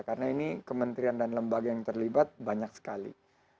karena ini kementerian dan lembaga yang terlibat banyak sekali